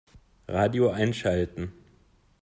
Radio einschalten.